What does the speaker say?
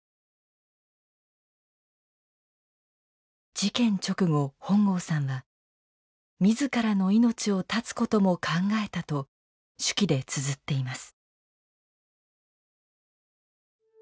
事件直後本郷さんは自らの命を絶つことも考えたと手記でつづっています。